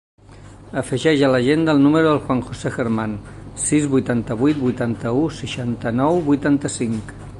Afegeix a l'agenda el número del Juan josé German: sis, vuitanta-vuit, vuitanta-u, seixanta-nou, vuitanta-cinc.